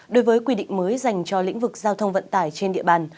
đối với quy định mới dành cho lĩnh vực giao thông vận tải trên địa bàn